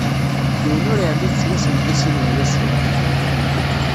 Yiwen ur iɛlim s wass n tisin n Yasuɛ.